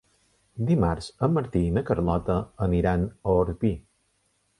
Dimarts en Martí i na Carlota aniran a Orpí.